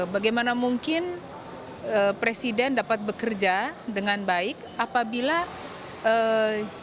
bagaimana mungkin presiden dapat bekerja dengan baik apabila yang diangkat untuk membantu beliau tidak memberikan satu kenyamanan dalam bekerja